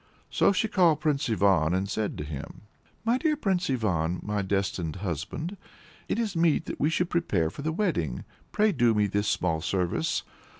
So she called Prince Ivan and said to him "My dear Prince Ivan, my destined husband! It is meet that we should prepare for the wedding; pray do me this small service.